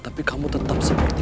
tapi kamu tetap seperti